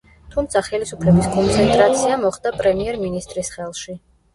თუმცა ხელისუფლების კონცენტრაცია მოხდა პრემიერ-მინისტრის ხელში.